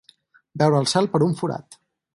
Veure el cel per un forat.